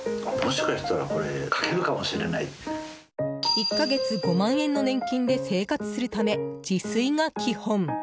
１か月５万円の年金で生活するため、自炊が基本。